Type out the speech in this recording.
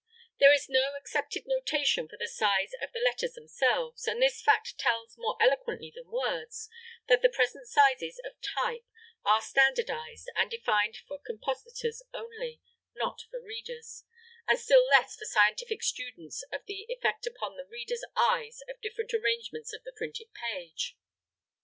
There is no accepted notation for the size of the letters themselves, and this fact tells, more eloquently than words, that the present sizes of type are standardized and defined for compositors only, not for readers, and still less for scientific students of the effect upon the readers' eyes of different arrangements of the printed page.